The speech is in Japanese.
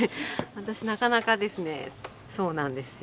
私なかなかですねそうなんですよ。